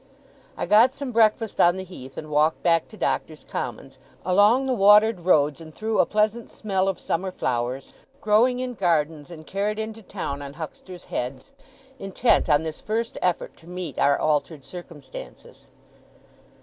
I got some breakfast on the Heath, and walked back to Doctors' Commons, along the watered roads and through a pleasant smell of summer flowers, growing in gardens and carried into town on hucksters' heads, intent on this first effort to meet our altered circumstances.